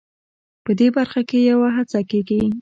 په دې برخه کې یوه هڅه کېږي.